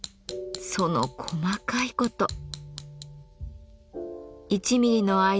その細かいこと！